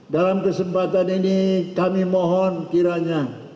dalam kesempatan ini kami mohon kiranya